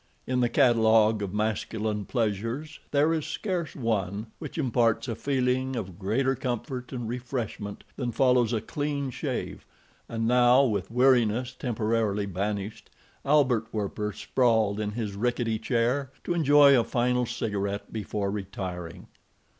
In the catalog of masculine pleasures there is scarce one which imparts a feeling of greater comfort and refreshment than follows a clean shave, and now, with weariness temporarily banished, Albert Werper sprawled in his rickety chair to enjoy a final cigaret before retiring.